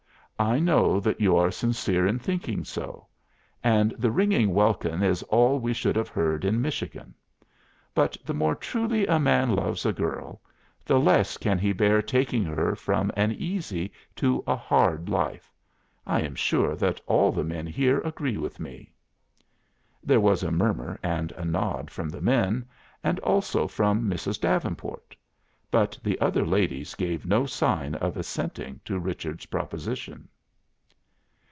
I know that you are sincere in thinking so. And the ringing welkin is all we should have heard in Michigan. But the more truly a man loves a girl, the less can he bear taking her from an easy to a hard life. I am sure that all the men here agree with me." There was a murmur and a nod from the men, and also from Mrs. Davenport. But the other ladies gave no sign of assenting to Richard's proposition.